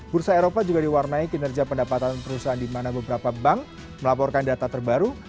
bursa eropa juga diwarnai kinerja pendapatan perusahaan di mana beberapa bank melaporkan data terbaru